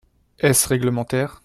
Est-ce réglementaire?